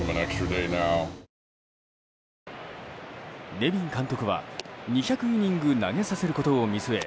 ネビン監督は、２００イニング投げさせることを見据え